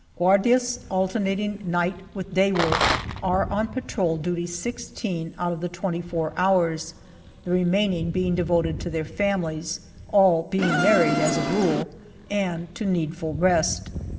Guardias, alternating night with day work, are on patrol duty sixteen out of the twenty four hours, the remaining being devoted to their families (all being married as a rule) and to needful rest.